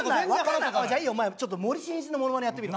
じゃあいいよお前ちょっと森進一のものまねやってみろ。